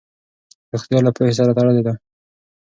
روغتیا له پوهې سره تړلې ده.